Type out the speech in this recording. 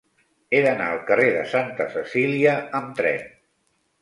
He d'anar al carrer de Santa Cecília amb tren.